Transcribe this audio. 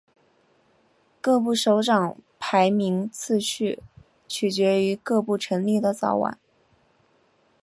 各部首长排名次序取决于各部成立的早晚。